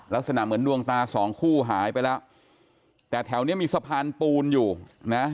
ลักษณะเหมือนดวงตาสองคู่หายไปแล้วแต่แถวเนี้ยมีสะพานปูนอยู่นะ